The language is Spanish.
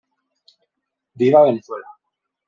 Viva Venezuela.